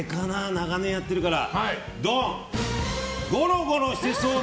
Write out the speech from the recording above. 長年やってるから。